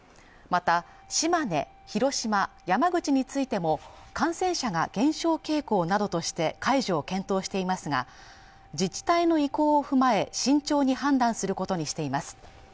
また島根、広島、山口についても感染者が減少傾向などとして解除を検討していますが自治体の意向を踏まえ慎重に判断することにしています